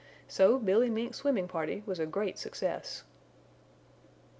So Billy Mink's swimming party was a great success.